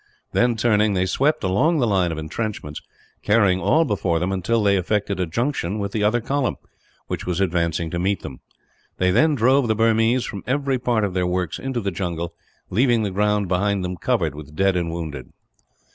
Then, turning, they swept along the line of entrenchments; carrying all before them until they effected a junction with the other column, which was advancing to meet them. They then drove the Burmese from every part of their works into the jungle, leaving the ground behind them covered with dead and wounded.